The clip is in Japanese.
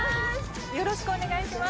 よろしくお願いします。